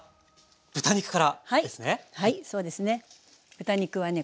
豚肉はね